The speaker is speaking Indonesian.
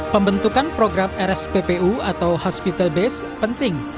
pembentukan program rsppu atau hospital base penting